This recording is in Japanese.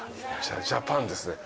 ジャパンですね。